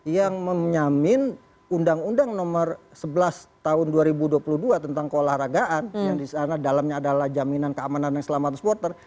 yang menyamin undang undang nomor sebelas tahun dua ribu dua puluh dua tentang keolahragaan yang disana dalamnya adalah jaminan keamanan dan keselamatan supporter